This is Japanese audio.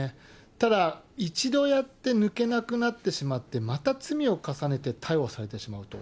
ただ、一度やって抜けなくなってしまって、また罪を重ねて逮捕されてしまうと。